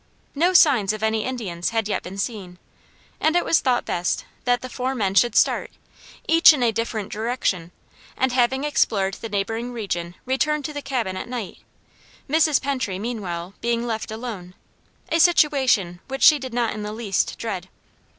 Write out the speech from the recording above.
No signs of any Indians had yet been seen, and it was thought best that the four men should start, each in a different direction, and having explored the neighboring region return to the cabin at night, Mrs. Pentry meanwhile being left alone a situation which she did not in the least dread.